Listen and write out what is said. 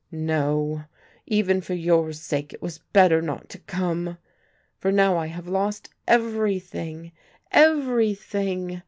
No, even for your sake it was better not to come. For now I have lost everything, everything.